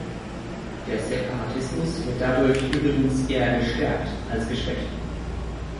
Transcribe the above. Der Separatismus wird dadurch übrigens eher gestärkt als geschwächt.